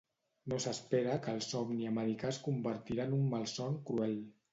No s’espera que el somni americà es convertirà en un malson cruel.